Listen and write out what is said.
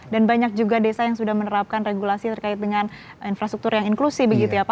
dan banyak juga desa yang sudah menerapkan regulasi terkait dengan infrastruktur yang inklusif